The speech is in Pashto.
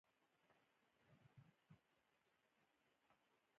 بمبړې چیچلو سره درد پیدا کوي